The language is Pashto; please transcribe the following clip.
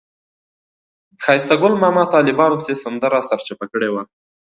ښایسته ګل ماما د طالبانو پسې سندره سرچپه کړې وه.